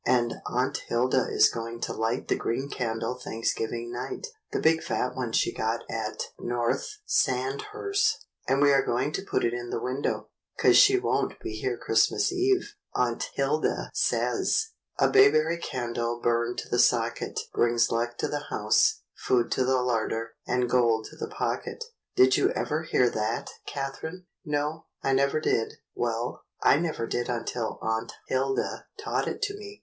And Aunt Hilda is going to light the green candle Thanksgiv ing night, the big fat one she got at North Sand hurst; and we are going to put it in the window, 'cause she won't be here Christmas Eve. Aunt Hilda says, — *A Bayberry Candle Burned to the Socket, Brings Luck to the House, Food to the Larder, And Gold to the Pocket.* Did you ever hear that, Catherine?" "No, I never did." "Well, I never did until Aunt Hilda taught it to me.